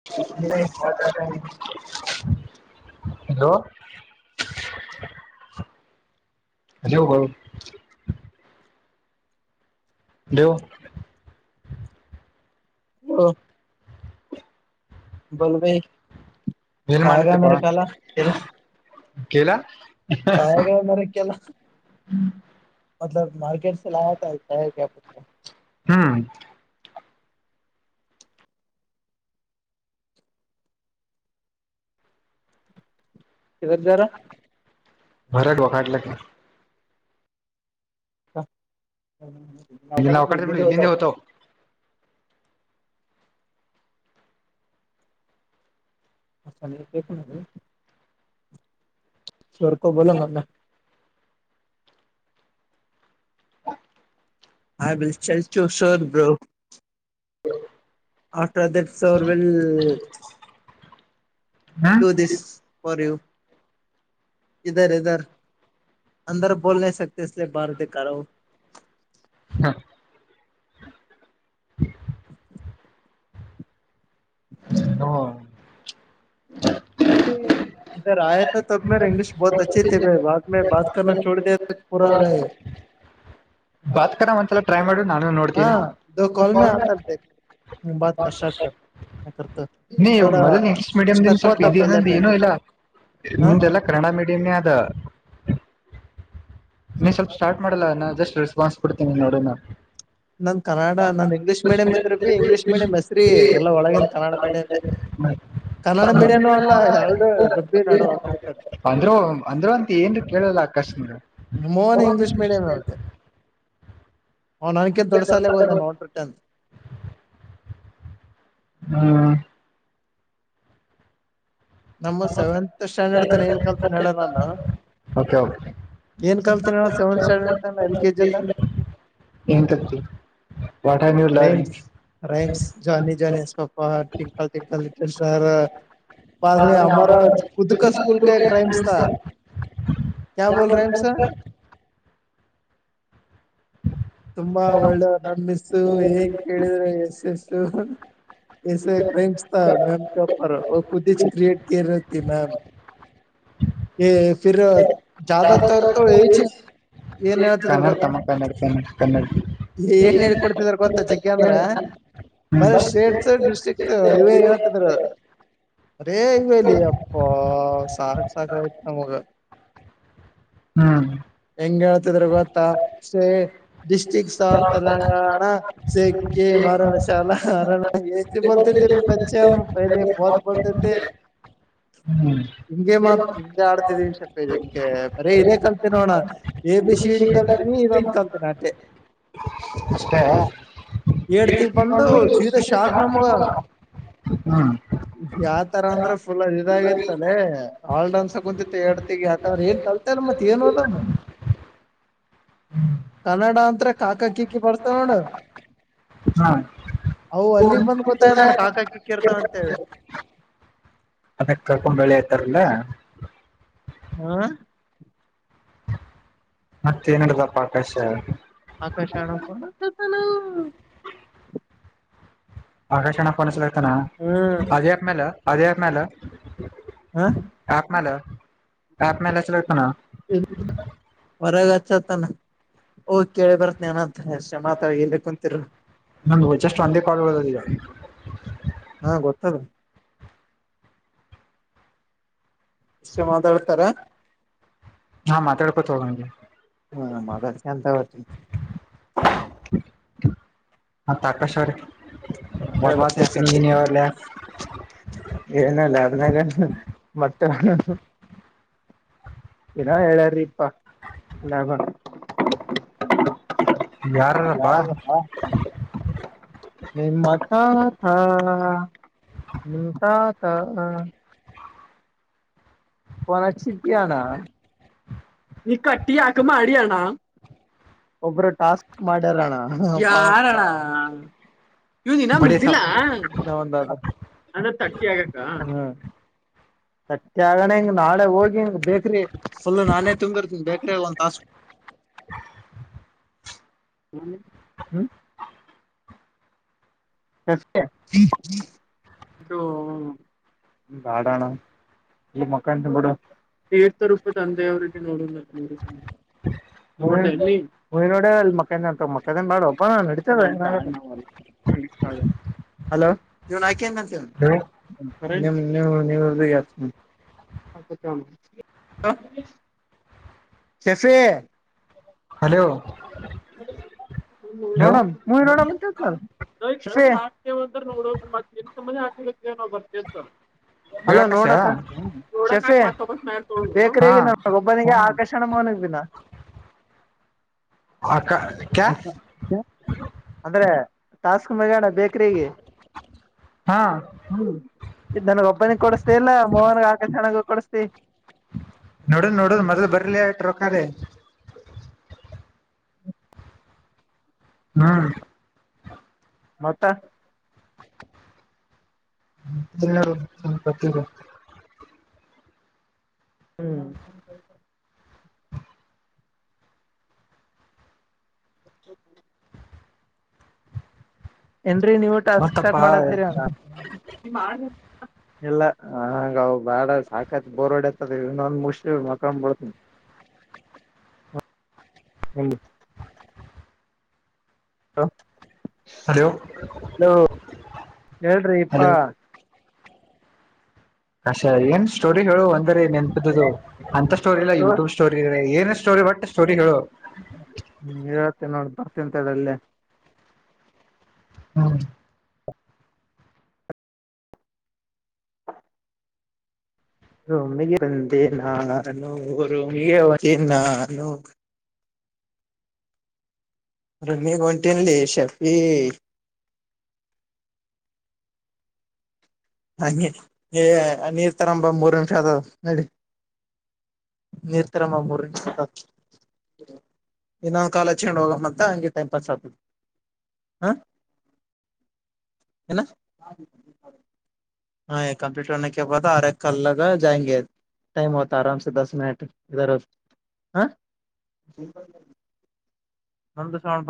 [inaudible] Hello, [inaudible] [inaudible] [inaudible] ಬೋಲ್ ಭೈ paramedical ಹಾ, ಪ್ಯಾಂರಾಮೆಡಿಕಲ್, [unintelligible] ಹ್ಮ್, ಕಿದರ್ ಜಾರೇ, ಬರಗ ವಕಾಟ್ಲಕ್ಕಿ. [inaudible] [inaudible] [unintelligible] ಹಾ ಬಿಲ್ಚಲ್ಚು sure bro, [inaudible] ಆಫ್ಟರ that sir will. Do this for you. ಇಧರ್, ಇಧರ್ ಅಂದರ್ ಬೋಲ್ನೈ ಸಕ್ತೈ ಇಸ್ಲೆ ಬಾರ್ ಧಿಕ್ಕಾರೋ, ಹಾ, ಹ್ಮ ಹ ಹ್ಮ ಇಗರ ಆಯತ ತಬ್ ಮೇರೆ ಇಂಗ್ಲಶ ಬಹತ ಅಚ್ಚಿ ತಿ ಬ ಬ ಮ ಬತರ್ ಚಛೋಡ ಪೂಾ ಆಗ ಬಾತ್ಕರ ಒಂದ್ಸಲ ಟ್ರೈ ಮಾಡ ನಾನು ನೋಡ್ತೀನಿ ಹ ಬತ್ ಕ ಸ್ಟಾರ್ಟಕತ ೋಡ ಮೀಡಿಯ್ ದ ಸ್ವಲ್ಪ ಇದ ಏನ ಇಲ್ಲ ನಿಮ್ದೆಲ್ಲ [unintelligible] ಕನ್ನಡ ಮೀಡಿಯಂನೇ ಅದ ನೀನ್ ಸ್ವಲ್ಪ ಸ್ಟಾರ್ಟ್ ಮಾಡಲ್ಲ ಜಟ್ ಶ್ವಸ್ ಪಡ್ತೀನಿ ನೋಡಿ ನಾನು ನನ್ ಕನ್ನಡ ನನ್ ಇಂಗ್ಲೀಷ್ ಮಡಿಯ್ ಇದ್ರೆ ಬಿ ಇಂಗ್ಲಿಷ್ ಮಡಿಯಂ ಹೆಸರಿ ಎ ಒಳಗಿನ ಕಡ ಕ ಮೀಡಿಯ ಕನ್ನಡ ಮೀಡಿಯಾನ ಅಲ್ಲ ಎಲ್ಡು ರುಬ್ಬಿ ನಡುವ ಆ ಕಡೆ ಕಡೆ ಅಂದ್ರು ಅಂದ್ರು ಅಂತ ಏನ್ ಕೇಳಲ್ಲ ಅಕಶ್ಮೀರು ಮೂನ ಇಂಗ್ಲೀಷ್ ಮೀಡಿಯಂ ಆಗತ್ತೆ ಅವ್ ನನಕ ದೊಡ್ ಸಾಲ ಹೋದೆ ನೋಡ್ ಪೃತ ಹ್ಮ್ ನಮ್ಮ ಸೆವೆಂತ್ ಸ್ಟ್ಯಾಂಡರ್ಡ್ ತನ ಏನ್ ಕಲ್ತಿ ಹೇಳ ನಾನು [unintelligible] ಎಂತತಿ ವಾಠ ನೀಲ್ಲ ರೀ rhymes Johnny Johnny yes papa twinkle twinkle little star ಬ ಅಮಾರ ಕುುದುದ ಕ ಸ್ಕೂಲ್ ಕ ಕ್ರೈಮ್ಸ್ ಯ ಬಲ್ತ ಸರ್ ತುಂಬಾ ಒಳ್ಳೆ ನನ್ನಿಸಸ್ಸು ಏನ್ ಕೇಳಿದ್ರೆ ಯಶಸ್ಸು ಸ ಕ್ರೈಮ್ಸ್ ಮ್ಯಮ ಪರ್ ಕುುದಚ್ ಕ್ರಿಯಟ್ ಕ ರತಿ ಮ್ಯಾಮ್ ಎಫರ ಜಾದ ತರ ಚ ಕನ್ನಡತಮ್ಮ ಕನ್ನಡ ಕನ್ನಡ ಏ ಏ ಹೇಳಿ ಕೊಡ್ತಿದ್ರ ಗೊತ್ತಾ ಚೆಕ್ಕೆ ಅಂದ್ರ ಬರ ಸ್ಟೇಟ್ಸ್ ಡಿಸ್ಟ್ರಿಕ್ಸ್ ಇವತಿದ್ರ ಬರೇ ಇವ ಇಲ್ಲಿ ಅ ಸಾಠ ಸಾಗ ಇ ಮಗ ಹ್ಮ್ ಹೆಂಗ್ ಹೇಳ್ತಿದ್ರ ಗೊತ್ತಾ ಸೇ ಡಿಸ್ಟ್ರಿಕ್ಸ್ ಆಫ್ ತೆಲಂಗಾಣ ಸಕ್ಕಿ ಮರಳ ಶಾಲಾ ಬೋಲತ ಭ ಬಚೆ ಪಲೆ ಬಹತ್ ಬೋಲತತೆ ಹ್ಮ್ ಹಿಂದೆ ಆಡ್ತಿದ್ದ ನಿಮಷಪಜಕ್ಕೆ ಬರೀ ಇದೇ ಕಲ್ತೆ ನೋಣ ಎ ಬಿ ಸಿಡಿ ಕಲ್ತೀನಿ ಇದೊಂದು ಕಲ್ತೀನಿ ಅಟೆ [inaudible] ಅಷ್ಟ ಹ್ಮ ಯಾವ ತರ ಅಂದ್ರ ಫುಲ್ ಅದು ಇದಾಗಿತ್ತಲೆೇ ಆಾ ಡನ್ಸ ಕುಂತಿತ್ತು ಎಡ್ತಿಗ ಯಕ್ರ ಏನ್ ಕಲ್ತಲ್ ಮತ್ ಏನ್ದಮ್ಮ ಕನ್ನಡಾಂತರ ಕಾಕಾ ಕಿಕ್ಕಿ ಬರ್ತ ನೋ ಅ ಅಲ್ಲಿಗ್ ಬಂದ್ ಗೊತ್ತ ನಾನ ಕಾಕಾ ಕಿ ಕೇತಾ ಅಂತೇವೆ ಅದಕ್ ಕರ್ಕೊಂಡ್ ಬೆಳೆ ಆಯ್ತಾರಲ್ಲ ಹಾ ಮತ್ತ ಏನ್ ಹಡದಪ್ಪ ಆಕಾಶ ಆಕರ್ಷಾಣ ಆಕಾಶವಾಣ ಪೋನಸಲಗ್ತಾನ ಅದೇ ಆಪ್ಲೆ ಅದೇ ಆಪ್ ಮೇಲೆ ಹಾ ಆಪ್ ಮೇಲೆ ಆಪ್ ಮೇಲೆ ಚಲ ಇತು ನ ಹ್ಮ ಹೊರಗಚ್ಚತ್ತನ ಓ ಕೇಳಿಬರತ್ ಏನಂತ ಮಾತ ಎಲ್ಲಿ ಕುಂತರು ಹ ಹಚಷ್ಟು ಒಂದೇ ಕಾಲ್ ಹಾ ಗೊತ್ತದೆ ಎಷ್ಟೇ ಮಾತಾಡ್ತಾರ ಹಾ ಮಾತಾಡ್ಕೊತ್ ಹೋಗಂಗೆ ಹ್ಮ ಮೊದಳಿಗೆ ಎಂತ ಅವತ ಹಾ ತಾಕಶ ಅವರ what was happening in your life ಏನಲ್ಲ ಅನಾಗ ಮತ್ತೆ ಇನ ಹೇಳಾರಿಪ್ಪಾಗ ಯ ಯಾರವಾ [inaudible] ನಿಮ್ಮ ತಾತ ನಿಮ್ ತಾತ ಒರಚಿಟಿಯಣಾ ನೀ ಕಟ್ಟಿ ಯಾಕ ಮಾಡಡಿಯಣಾ ಒಬ್ರು ಟಾಸ್ಕ್ ಮಾಡ್ಯಾರಣ ಯಾರಣ್ಣ ಇವ ದಿನ ಮುಗ್ದಿಲ್ಲಾ ಇನ್ನ ಒ ಅ ತಟ್ಟಿ ಆ ತಟ್ಟಿ ಆ ನಾಳೆ ಹೋಗಿ ಬೇಕ್ರ ಲ್ಲು ನಾನೇ ತುಂಬಿರ್ತೀನಿ ಬೇಕ್ರಿ ಒಂದ ತಸ್ [unintelligible] ಹಾ ಸ ಇದು ಬಾಡಣ [unintelligible] ಇ ಮಾಂತಡ ತರ್ಥ ರೂಪಿ ತಂದೆಯವರಿಗೆ ನೋಡ ಹ [unintelligible] ಹ್ ನೋಡ ಅ ಮಕ್ಕ ಅಂತ ಮಕ್ಕನ್ ಬಾಡ ಹಬ್ಬ ನಡಿತದ ಹಾಗ ಹಲೋ ನೀವ್ ಆಯ್ಕೆಂತಂತೀ ಹ್ಮ ನೀ [unintelligible] ಸೆಫೆ ನೋಡಮ್ಮ ಮುಯರೋಣ ಮತ್ರ ಕ ಂದ್ರ ನೋಡ ಮ ಹಕ ಬರ್ತತ್ತು [unintelligible] ಅಲ್ಲ ನೋಡತ್ತ ಶೆಫೆ ಬೇಕರಿಗ ಒಬ್ಬನಿಗೆ ಆಕ ಕ್ಷಣ ಮೋನಕ್ ಬಿ ಹಕ್ಕ ಅಂದ್ರೆ ಸ್ಕ್ ಮಗಣ ಬೇಕ್ರಿಗೆ ಹಾ ಹ್ಮ್ ಇ ನನಗ್ ಒಬ್ಬನಿಗೆ ಕೊಡಸ್ತಿ ಇಲ್ಲ ಮೋಹನ್ಗ್ ಆಕಾಶಣಗ ಕೊಡಸ್ತಿ ನೋಡನ್ ನೋಡ ಮೊದ್ ಬರ್ಲಿ ಆ ರಕೆ ಹ್ಮ ಮತ್ತ. ಯಾರು [unintelligible] ಹ್ಮ್. [inaudible] ಏನ್ರೀ ನೀವು ಟಾಸ್ಕ್ ಸ್ಟಾರ್ಟ್ ಮಾಡತ್ತೀರ ಮಾಡ್ಬೇಕ್ ಇಲ್ಲ ಹಂಗವು ಬಾಡ ಸಾಕತ್ ಬೋರ್ಡತದ ಇನ್ನೊಂದ್ ಮುಷ ಮಕೊಂಡ್ ಬುಡ್ತಿನಿ. ಒಂದು ಹಲೋ. ಹಲೋ. ಹಲೋ ಹೇಳ್ರಿ ಇಪ್ಪಾ. [unintelligible] ಸ್ಟೋರಿ ಹೇಳು ಒಂದರಿ ನೆನ್ಪಿದಿದ್ದು ಅಂತ ಸ್ಟೋರಿ ಇಲ್ಲ ಯೂಟ್ಯೂಬ್ ಸ್ಟೋರಿ ಎ ಏನ ಸ್ಟೋರಿ ಒಟ್ ಸ್ಟೋರಿ ಹೇಳು. ಹ್ಮ್ ಹೇಳೋಥಿನ್ ನೋಡ್ ಬರ್ತಿನ್ ತಡ್ ಅಲ್ಲೆ. ಹ್ಮ್. ರೂಮಿಗೆ ಬಂದೆ ನಾನು ರೂಮಿಗೆ ಒಂಟಿನ್ ನಾನು. ರೂಮಿಗ್ ಹೊಂಟೆನ್ಲಿ ಶೆಫೀ. ಹಂಗೆ ಎ ನೀರ್ ತರಂಬ ಮೂರ್ ನಿಂಷ ಅದಾವ ನಡಿ. ನೀರ್ ತರಂಬ ಮೂರು ನಿಂಷ ಅದಾವ್. ಇನ್ನೊಂನ್ ಕಾಲ್ ಹಚ್ಕೊಂಡ್ ಹೋಗ ಮತ್ತ ಹಂಗೆ ಟೈಮ್ ಪಾಸ್ ಆತ್ ಹಾಂ ಏನ. ಹಾಂ ಏಕ್ ಕಂಪ್ಯೂಟರ್ ಅನ್ನೆಕಬದ್ ಆದ್ರೆ ಕಲ್ ಅದ ಜಾಯಂಗ್ಯದ್. ಟೈಮೊತ್ ಆರಂಸೆ ದಸ್ ಮಿನಟ್ ಇದರ್ ಅಹೂ ಹಾಂ. [unintelligible]